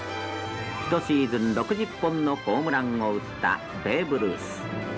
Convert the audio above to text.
１シーズン６０本のホームランを打ったベーブ・ルース。